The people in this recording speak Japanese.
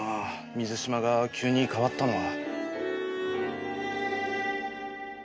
水嶋が急に変わったのは。